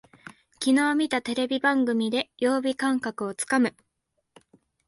きのう見たテレビ番組で曜日感覚をつかむ